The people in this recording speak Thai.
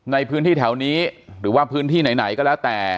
ในพื้นที่แถวนี้หรือว่าพื้นที่ไหนก็แล้วแต่